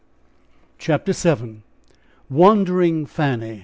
CHAPTER VII. WANDERING FANNY.